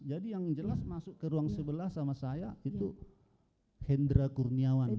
yang jelas masuk ke ruang sebelah sama saya itu hendra kurniawan